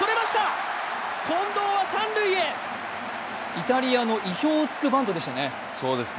イタリアの意表を突くバントでしたね。